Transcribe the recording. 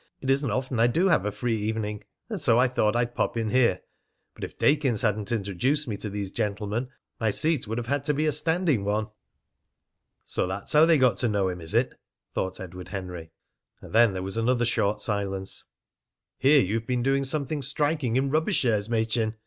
It isn't often I do have a free evening. And so I thought I'd pop in here. But if Dakins hadn't introduced me to these gentlemen, my seat would have had to be a standing one." "So that's how they got to know him, is it?" thought Edward Henry. And then there was another short silence. "Hear you've been doing something striking in rubber shares, Machin?"